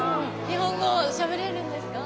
日本語しゃべれるんですか？